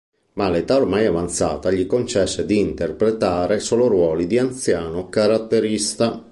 Ma l'età ormai avanzata gli concesse di interpretare solo ruoli di anziano caratterista.